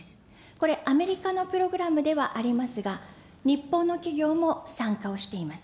これ、アメリカのプログラムではありますが、日本の企業も参加をしています。